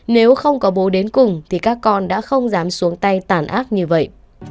nếu không có bố đến cùng thì các con đã không dám xuống tay tàn ác như vậy